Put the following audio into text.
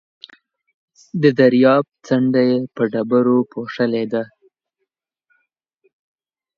د درياب څنډه يې په ډبرو پوښلې ده.